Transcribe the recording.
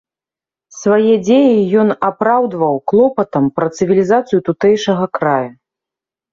Свае дзеі ён апраўдваў клопатам пра цывілізацыю тутэйшага края.